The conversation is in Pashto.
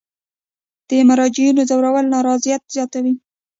د مراجعینو ځورول نارضایت زیاتوي.